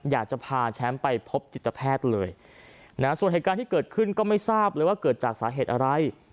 อยากจะพาแชมป์ไปพบจิตแพทย์เลยนะส่วนเหตุการณ์ที่เกิดขึ้นก็ไม่ทราบเลยว่าเกิดจากสาเหตุอะไร